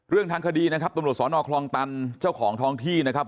เรื่องทางคดีนะครับตรสนคลองตันเจ้าของท้องที่นะครับ